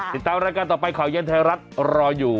ติดตามรายการต่อไปข่าวเย็นไทยรัฐรออยู่